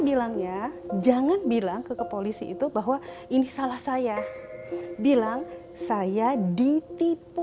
bilangnya jangan bilang ke kepolisi itu bahwa ini salah saya bilang saya ditipu